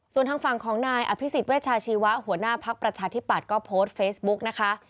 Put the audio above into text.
ส่วนทางฝั่งของนายอภิษฎเวชาชีวะหัวหน้าภักดิ์ประชาธิปัตย์ก็โพสต์เฟซบุ๊กนะคะ